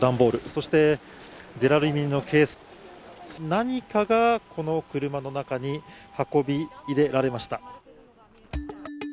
そして何かがこの車の中に運び入れられました。